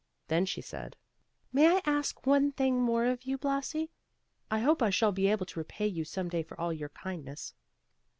Then she said, "May I ask one thing more of you, Blasi? I hope I shall be able to repay you some day for all your kindness."